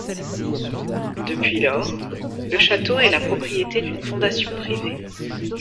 Depuis lors, le château est la propriété d'une fondation privée.